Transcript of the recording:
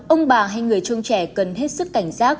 ông bà hay người trông trẻ cần hết sức cảnh giác